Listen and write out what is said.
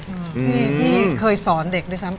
พี่ที่เคยสอนเด็กด้วยซ้ำ